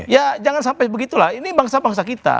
ya jangan sampai begitulah ini bangsa bangsa kita